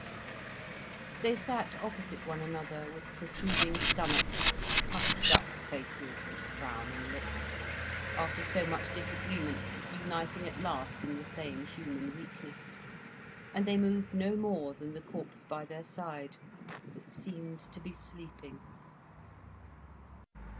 They sat opposite one another, with protruding stomachs, puffed up faces, and frowning looks, after so much disagreement uniting at last in the same human weakness, and they moved no more than the corpse by their side, that seemed to be sleeping.